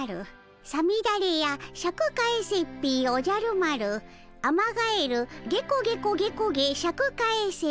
「さみだれやシャク返せっピィおじゃる丸」「アマガエルゲコゲコゲコゲシャク返せ」。